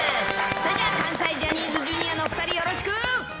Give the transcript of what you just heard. それじゃあ、関西ジャニーズＪｒ．の２人、よろしく。